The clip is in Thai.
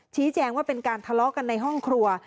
ชี้แจงว่าเป็นการทะเลาะกันในห้องครัว